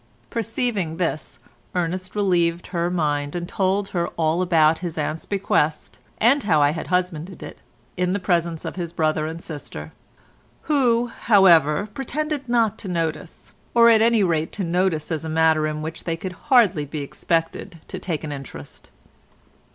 Perceiving this, Ernest relieved her mind and told her all about his aunt's bequest, and how I had husbanded it, in the presence of his brother and sister—who, however, pretended not to notice, or at any rate to notice as a matter in which they could hardly be expected to take an interest.